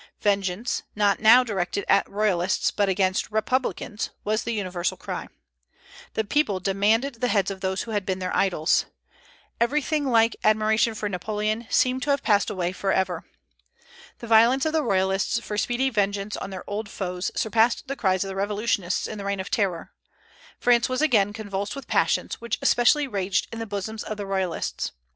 Vengeance, not now directed against Royalists but against Republicans, was the universal cry; the people demanded the heads of those who had been their idols. Everything like admiration for Napoleon seemed to have passed away forever. The violence of the Royalists for speedy vengeance on their old foes surpassed the cries of the revolutionists in the Reign of Terror. France was again convulsed with passions, which especially raged in the bosoms of the Royalists.